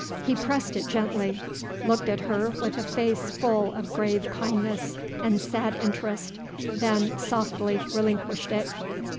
He pressed it gently, looked at her with a face full of grave kindness and sad interest, then softly relinquished it.